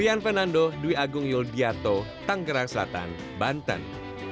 rian fernando dwi agung yul diatto tangerang selatan banten